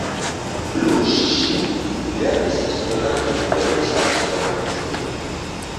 Lu Ŝi-Ŝin lernis Esperanton de rusa esperantisto.